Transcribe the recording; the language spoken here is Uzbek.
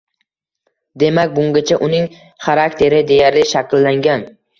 Demak, bungacha uning xarakteri deyarli shakllangan.